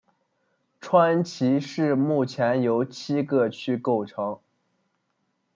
川崎市目前由七个区构成。